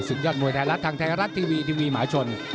ยอดมวยไทยรัฐทางไทยรัฐทีวีทีวีหมาชน